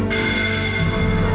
tyler kalau mau ikut